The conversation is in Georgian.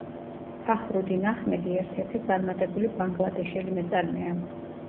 ფაჰრუდინ აჰმედი ერთ-ერთი წარმატებული ბანგლადეშელი მეწარმეა.